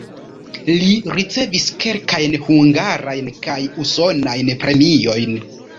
Li ricevis kelkajn hungarajn kaj usonajn premiojn.